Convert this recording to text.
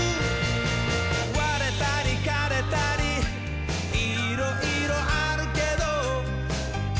「われたりかれたりいろいろあるけど」